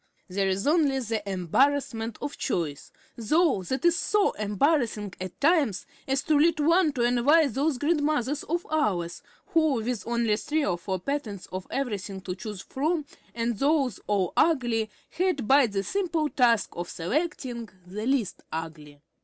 There is only the embarrassment of choice, though that is so embarrassing at times as to lead one to envy those grandmothers of ours, who, with only three or four patterns of everything to choose from, and those all ugly, had but the simple task of selecting the least ugly!